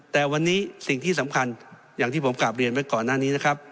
แต่วันนี้สิ่งที่สำคัญอย่างที่ผมกลับเรียนไว้ก่อนหน้านี้นะครับ